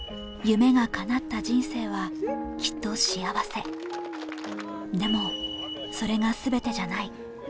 夢がかなった人生は、きっと幸せでも、それが全てじゃない。